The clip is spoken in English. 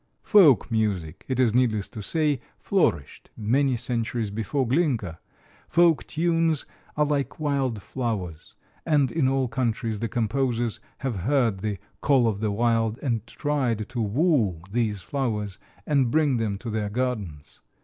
Folk music, it is needless to say, flourished many centuries before Glinka. Folk tunes are like wild flowers, and in all countries the composers have heard the "call of the wild" and tried to woo these flowers and bring them to their gardens.